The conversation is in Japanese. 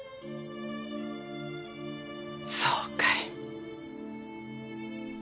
そうかい。